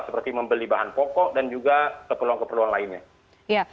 seperti membeli bahan pokok dan juga keperluan keperluan lainnya